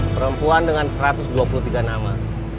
perempuan dengan satu ratus dua puluh tiga nama